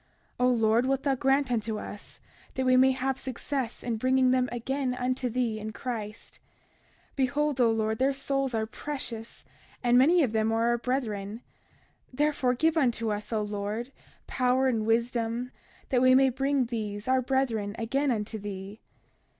31:34 O Lord, wilt thou grant unto us that we may have success in bringing them again unto thee in Christ. 31:35 Behold, O Lord, their souls are precious, and many of them are our brethren; therefore, give unto us, O Lord, power and wisdom that we may bring these, our brethren, again unto thee.